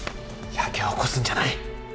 やけを起こすんじゃない。